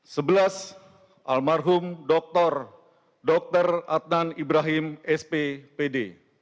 sebelas almarhum doktor dokter adnan ibrahim sppd